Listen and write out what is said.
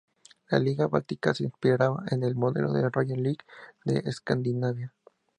La Liga Báltica se inspiraba en el modelo de la Royal League de Escandinavia.